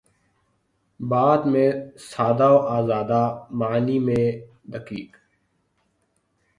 بات میں سادہ و آزادہ، معانی میں دقیق